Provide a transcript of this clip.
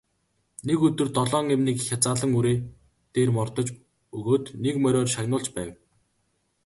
Нэг өдөр долоон эмнэг хязаалан үрээн дээр мордож өгөөд нэг мориор шагнуулж байв.